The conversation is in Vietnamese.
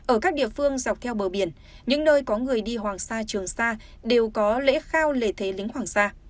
ở các địa phương dọc theo bờ biển những nơi có người đi hoàng sa trường sa đều có lễ khao lễ thế lính hoàng sa